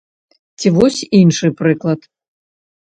Ці вось іншы прыклад.